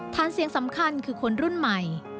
ฐานเสียงสำคัญคือคนรุ่นใหม่